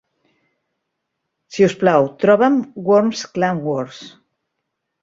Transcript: Si us plau, troba'm Worms Clan Wars.